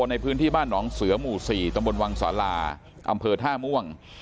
ในพื้นที่บ้านหนองเสือหมู่๔ตำบลวังสาลาอำเภอท่าม่วง